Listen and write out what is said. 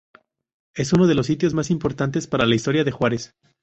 Es uno de los sitios más importantes para la historia de Juárez.